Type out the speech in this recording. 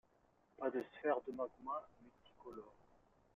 Pas de sphère de magma multicolore.